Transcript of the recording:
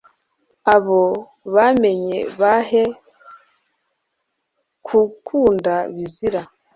abo waremye bahe kugukunda bizira